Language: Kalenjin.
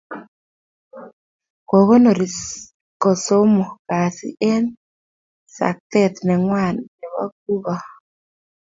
Kokonori kosomok kasit eng suktet nengwai nebo kuko